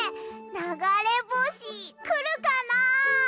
ながれぼしくるかなあ？